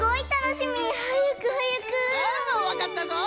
わかったぞい！